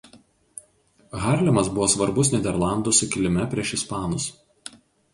Harlemas buvo svarbus Nyderlandų sukilime prieš ispanus.